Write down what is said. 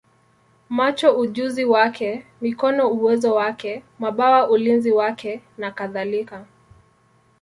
macho ujuzi wake, mikono uwezo wake, mabawa ulinzi wake, nakadhalika.